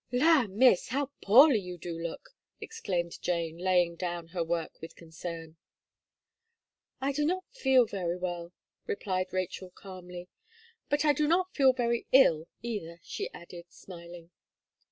"La, Miss! how poorly you do look!" exclaimed Jane, laying down her work with concern. "I do not feel very well," replied Rachel, calmly, "but I do not feel very ill, either," she added, smiling.